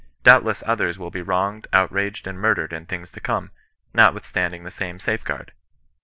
Doubt less others will be wronged, outraged, and murdered in time to come, notwithstanding the same safeguard.